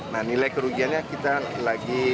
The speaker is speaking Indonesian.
nah nilai kerugiannya kita lagi